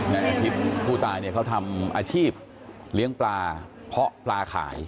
แล้วพี่ผู้ตายเนี่ยเขาทำอาชีพเลี้ยงปลาเพาะปลาขาย